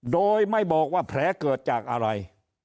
โดยไม่บอกว่าแผลเกิดจากอะไร